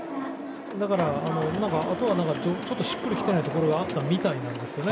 だから、あとはちょっとしっくり来ていないところがあったみたいなんですね